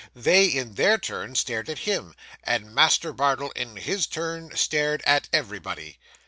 They, in their turn, stared at him; and Master Bardell, in his turn, stared at everybody.